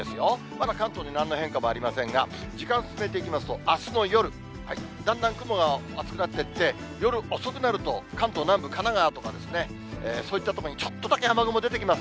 まだ関東になんの変化もありませんが、時間進めていきますと、あすの夜、だんだん雲が厚くなってって、夜遅くなると関東南部、神奈川とか、そういったところにちょっとだけ雨雲出てきます。